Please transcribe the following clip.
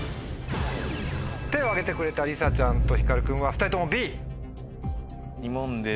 手を挙げてくれたりさちゃんとひかる君は２人ともＢ。